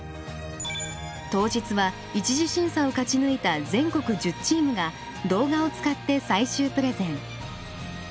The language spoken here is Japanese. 当日は一次審査を勝ち抜いた全国１０チームが動画を使って最終プレゼン。